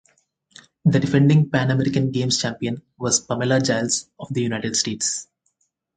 The defending Pan American Games champion was Pamela Jiles of the United States.